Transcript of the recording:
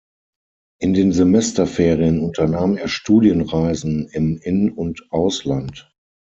In den Semesterferien unternahm er Studienreisen im In- und Ausland.